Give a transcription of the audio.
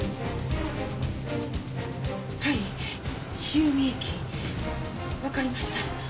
はい潮見駅わかりました。